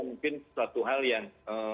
mungkin satu hal yang